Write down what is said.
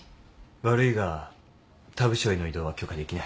悪いが他部署への異動は許可できない。